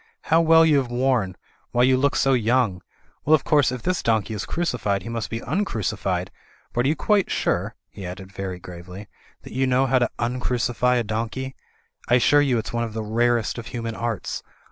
"How well you have worn; why, you look quite young! Well, of course, if this donkey is crucified, he must be uncrucified. But are you quite sure," he added, very gravely, "that you know how to uncrucify a donkey? I assure you it's one of the rarest of human arts.